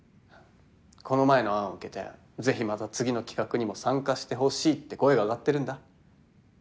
この前の案を受けてぜひまた次の企画にも参加してほしいって声が上がってるんだ